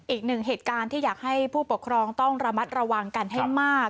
อีกหนึ่งเหตุการณ์ที่อยากให้ผู้ปกครองต้องระมัดระวังกันให้มาก